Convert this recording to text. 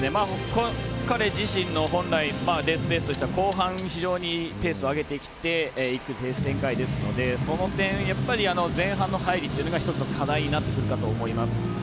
彼自身の本来のレースとしては、後半非常にペースを上げていくレース展開ですのでその点、前半の入りが一つの課題になってくるかと思います。